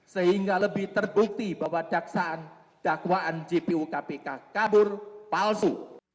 sehingga lebih terbukti bahwa dakwaan jpu kpk kabur palsu